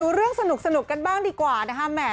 ดูเรื่องสนุกกันบ้างดีกว่านะคะ